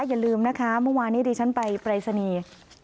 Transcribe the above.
อย่าลืมนะคะเมื่อวานนี้ดิฉันไปปรายศนีย์